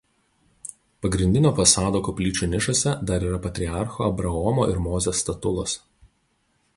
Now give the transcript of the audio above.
Pagrindinio fasado koplyčių nišose dar yra patriarcho Abraomo ir Mozės statulos.